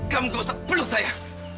kamu dosa peluk saya